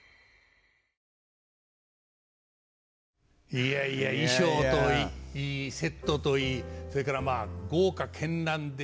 いやいや衣装といいセットといいそれからまあ豪華絢爛で。